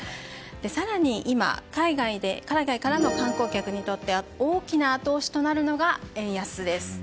更に今海外からの観光客にとっては大きな後押しとなるのが円安です。